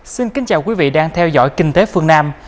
xin kính chào quý vị đang theo dõi kinh tế phương nam